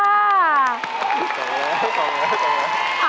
สมแล้วสมแล้วสมแล้ว